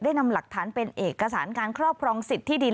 นำหลักฐานเป็นเอกสารการครอบครองสิทธิดิน